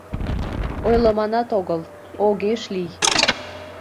Ойлыманат огыл, огеш лий!